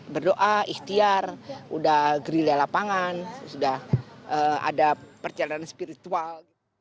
berdoa ikhtiar udah gerilya lapangan sudah ada perjalanan spiritual